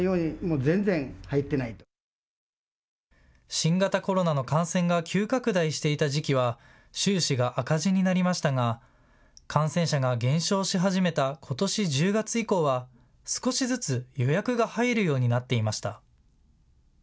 新型コロナの感染が急拡大していた時期は収支が赤字になりましたが感染者が減少し始めたことし１０月以降は少しずつ予約が入るようになっていました。